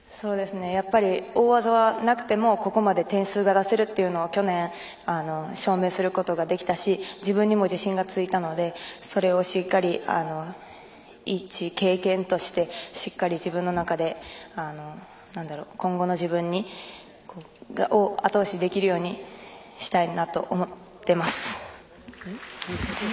大技はなくてもここまで点数を出せるっていうことは去年、証明することができたし自分にも自信がついたのでそれをしっかり、いち経験としてしっかり自分の中で今後の自分をあと押しできるようにしたいなと思っています。